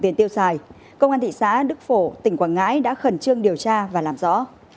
tiền tiêu xài công an thị xã đức phổ tỉnh quảng ngãi đã khẩn trương điều tra và làm rõ